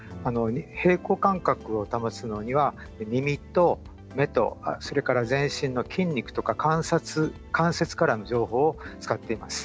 平衡感覚を保つには耳、目、全身の筋肉とか関節からの情報を使っています。